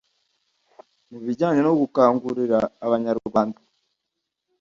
Mu bijyanye no gukangurira abaturarwanda